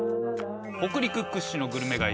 北陸屈指のグルメ街